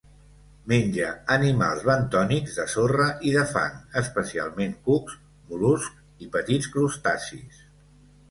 Menja animals bentònics de sorra i de fang, especialment cucs, mol·luscs i petits crustacis.